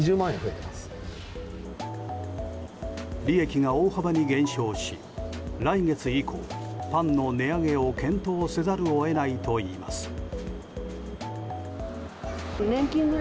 利益が大幅に減少し、来月以降パンの値上げを検討せざるを得ないといいます。